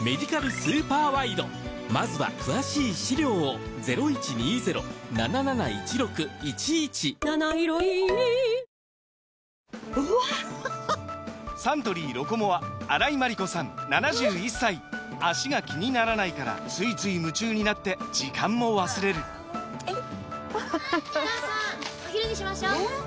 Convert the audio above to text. そして、太平洋側ほど日差しが多くてサントリー「ロコモア」荒井眞理子さん７１歳脚が気にならないからついつい夢中になって時間も忘れるお母さんお昼にしましょうえー